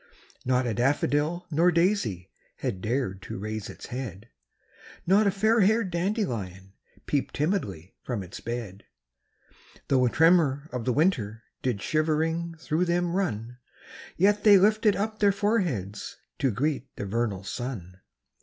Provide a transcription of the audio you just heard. Not a daffodil nor daisy Had dared to raise its head; Not a fairhaired dandelion Peeped timid from its bed; THE CROCUSES. 5 Though a tremor of the winter Did shivering through them run; Yet they lifted up their foreheads To greet the vernal sun.